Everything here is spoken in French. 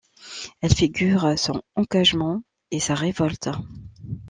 Elles figurent son engagement et sa révolte.